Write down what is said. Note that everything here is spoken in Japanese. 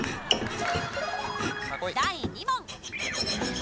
第２問！